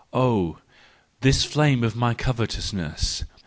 Oh, this flame of my covetousness!